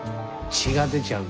血が出ちゃうの？